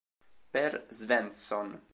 Per Svensson